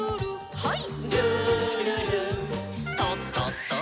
はい。